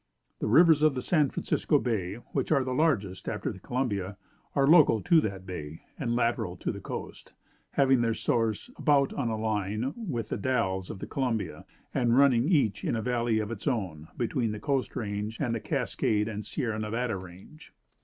The rivers of the San Francisco Bay, which are the largest after the Columbia, are local to that bay, and lateral to the coast, having their sources about on a line with the Dalles of the Columbia, and running each in a valley of its own, between the Coast Range and the Cascade and Sierra Nevada Range.